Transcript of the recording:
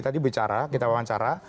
tadi bicara kita wawancara